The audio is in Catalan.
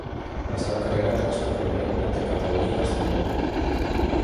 La seva carrera transcorregué entre Catalunya i Castelló.